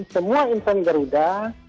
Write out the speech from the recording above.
semua insan garuda